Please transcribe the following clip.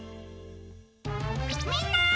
みんな！